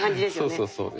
そうそうそう。